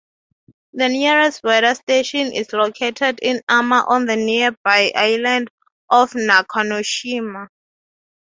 The nearest weather station is located in Ama on the nearby island of Nakanoshima.